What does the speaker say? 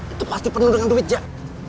itu pasti penuh dengan duit jack